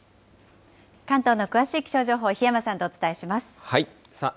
関東の詳しい気象情報、檜山さんとお伝えします。